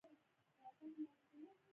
په کور کې دې یوازې پښتو خبرې وشي.